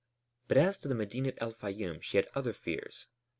But as to Medinet el Fayûm she had other fears.